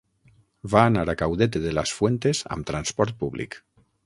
Va anar a Caudete de las Fuentes amb transport públic.